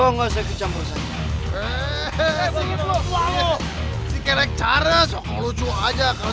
yang penting sekarang lo udah sembuh